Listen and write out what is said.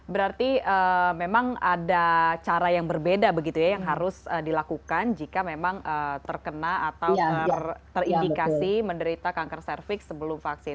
berarti memang ada cara yang berbeda begitu ya yang harus dilakukan jika memang terkena atau terindikasi menderita kanker cervix sebelum vaksin